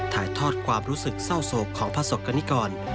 ถ่ายทอดความรู้สึกเศร้าโศกของพระศกกรณิกร